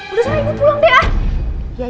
udah sama ibu pulang deh ah